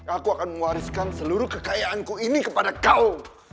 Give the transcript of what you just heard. aku akan mewariskan seluruh kekayaanku ini kepada kau